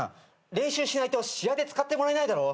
練習しないと試合で使ってもらえないだろ。